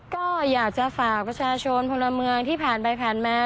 ก็อยากจะฝากประชาชนพลเมืองที่ผ่านไปผ่านมา